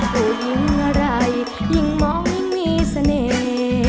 อย่างไรยิ่งมองยิ่งมีเสน่ห์